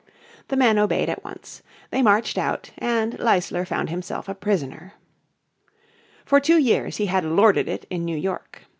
The men obeyed at once. They marched out and Leisler found himself a prisoner. For two years he had lorded it in New York.